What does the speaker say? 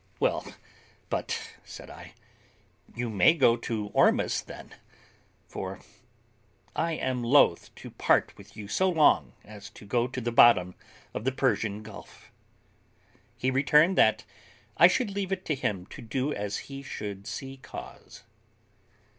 "Well, but," said I, "you may go to Ormuz, then; for I am loth to part with you so long as to go to the bottom of the Persian Gulf." He returned, that I should leave it to him to do as he should see cause.